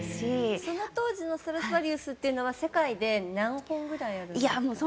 その当時のストラディバリウスというのは世界で何本くらいあるんですか？